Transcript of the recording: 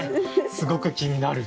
すごく気になる！